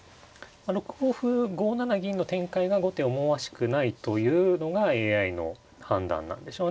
６五歩５七銀の展開が後手思わしくないというのがＡＩの判断なんでしょうね。